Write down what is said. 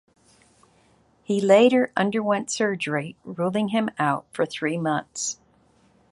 He later underwent surgery, ruling him out for three months.